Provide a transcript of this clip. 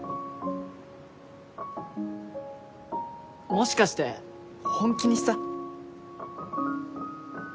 もしかして本気にした？